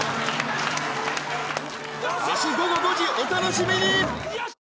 明日午後５時お楽しみに！